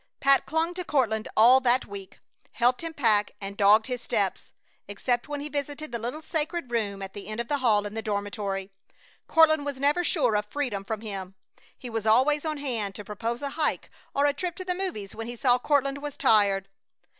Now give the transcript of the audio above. Pat clung to Courtland all that week, helped him pack, and dogged his steps. Except when he visited the little sacred room at the end of the hall in the dormitory, Courtland was never sure of freedom from him. He was always on hand to propose a hike or a trip to the movies when he saw Courtland was tired.